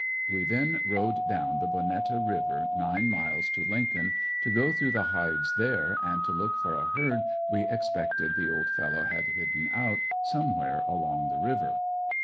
We then rode down the "Bonetta" River nine miles to Lincoln, to go through the hides there and to look for a herd we expected the old fellow had hidden out somewhere along the river.